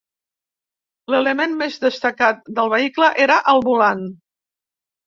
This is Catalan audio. L'element més destacat del vehicle era el volant.